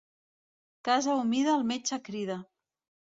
Casa humida el metge crida.